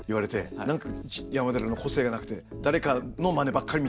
何か「山寺の個性がなくて誰かのマネばっかり」みたいな。